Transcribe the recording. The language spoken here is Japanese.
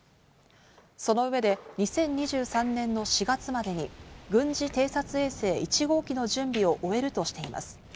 その上で、２０２３年の４月までに軍事偵察衛星１号機の準備を終えるとしています。